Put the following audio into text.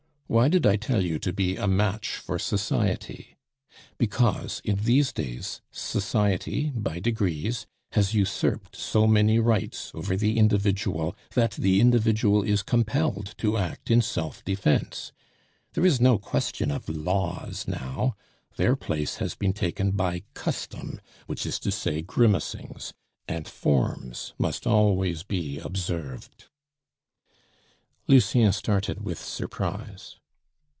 Why did I tell you to be a match for society? Because, in these days, society by degrees has usurped so many rights over the individual, that the individual is compelled to act in self defence. There is no question of laws now, their place has been taken by custom, which is to say grimacings, and forms must always be observed." Lucien started with surprise.